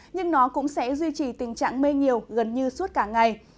nhưng nó cũng sẽ duy trì tình trạng mây nhiều gần như suốt cả ngày